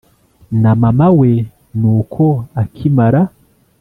na mama we nuko akimara